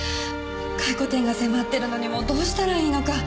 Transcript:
回顧展が迫ってるのにもうどうしたらいいのか。